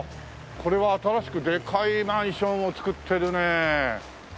これは新しくでかいマンションを造ってるね！